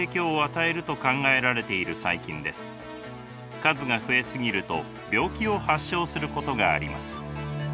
数が増え過ぎると病気を発症することがあります。